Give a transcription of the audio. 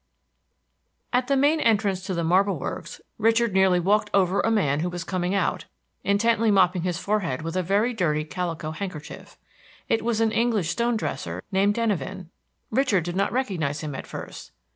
XII At the main entrance to the marble works Richard nearly walked over a man who was coming out, intently mopping his forehead with a very dirty calico handkerchief. It was an English stone dresser named Denyven. Richard did not recognize him at first.